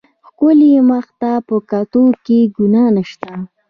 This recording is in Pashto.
ښکلي مخ ته په کتو کښې ګناه نشته.